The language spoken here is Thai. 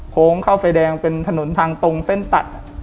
เข้าไฟแดงเป็นถนนทางตรงเส้นตัด